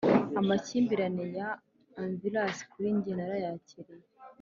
amakimbirane ya anvils kuri njye narayakiriye